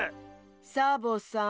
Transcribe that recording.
サボさん。